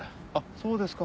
そうですか。